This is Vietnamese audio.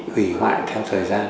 hủy hoại theo thời gian